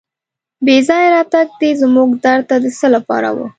بې ځایه راتګ دې زموږ در ته د څه لپاره و.